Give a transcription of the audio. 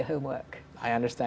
saya mengerti udesti